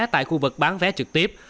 tại khu vực bán vé trực tiếp